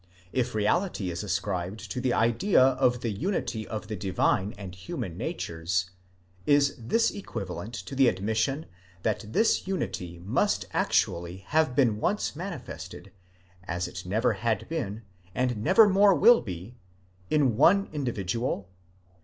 * If reality is ascribed to the idea of the unity of the divine and human natures, is this equivalent to the admission that this unity must actually have been once manifested, as it never had been, and never more will be, in one individual?